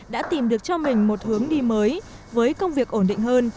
đã tìm được cho mình một hướng đi mới với công việc ổn định hơn